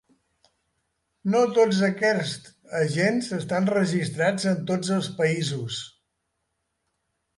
No tots aquests agents estan registrats en tots els països.